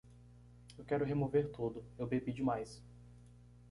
Eu quero remover tudo: eu bebi demais.